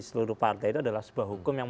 seluruh partai itu adalah sebuah hukum yang